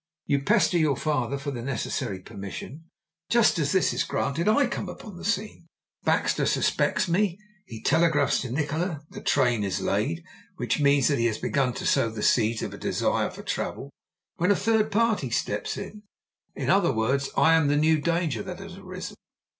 You pester your father for the necessary permission. Just as this is granted I come upon the scene. Baxter suspects me. He telegraphs to Nikola 'The train is laid,' which means that he has begun to sow the seeds of a desire for travel, when a third party steps in in other words, I am the new danger that has arisen.